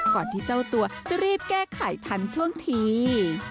ที่เจ้าตัวจะรีบแก้ไขทันท่วงที